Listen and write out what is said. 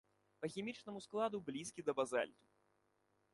Па хімічнаму складу блізкі да базальту.